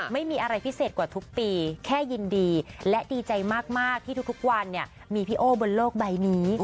ไม่มีอะไรพิเศษกว่าทุกปีแค่ยินดีและดีใจมากที่ทุกวันเนี่ยมีพี่โอ้บนโลกใบนี้